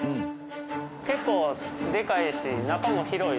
結構でかいし中も広いですよ